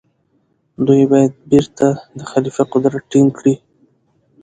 دوی باید بيرته د خليفه قدرت ټينګ کړي.